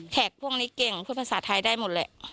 พวกนี้เก่งพูดภาษาไทยได้หมดแหละ